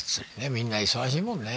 みんな忙しいもんね